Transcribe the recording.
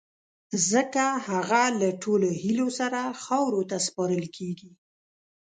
ځڪه هغه له ټولو هیلو سره خاورو ته سپارل کیږی